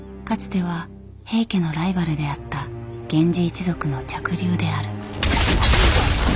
かつては平家のライバルであった源氏一族の嫡流である。